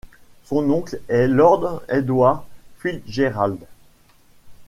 Son oncle est lord Edward FitzGerald.